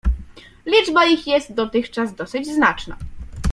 Liczba ich jest dotychczas dosyć znaczna.